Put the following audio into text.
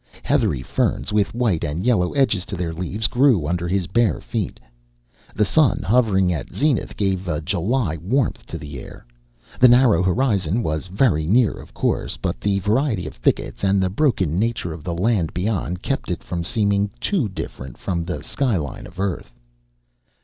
Heathery ferns, with white and yellow edges to their leaves, grew under his bare feet. The sun, hovering at zenith, gave a July warmth to the air. The narrow horizon was very near, of course, but the variety of thickets and the broken nature of the land beyond kept it from seeming too different from the skyline of Earth.